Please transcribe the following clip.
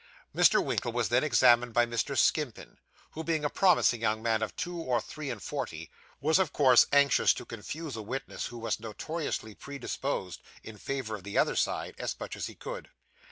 Mr. Winkle was then examined by Mr. Skimpin, who, being a promising young man of two or three and forty, was of course anxious to confuse a witness who was notoriously predisposed in favour of the other side, as much as he could.